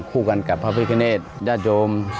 คู่กันกับพระพิคเนตญาติโยม